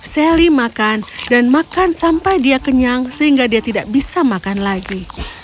sally makan dan makan sampai dia kenyang sehingga dia tidak bisa makan lagi